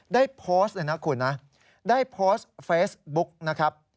ได้โพสต์ได้โพสต์เฟสบุ๊ค